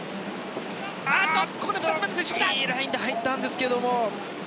あっと、いいラインで入ったんですけ